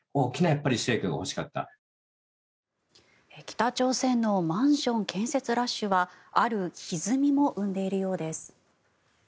北朝鮮のマンション建設ラッシュはあるひずみも生んでいるようです。